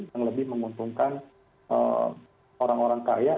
yang lebih menguntungkan orang orang kaya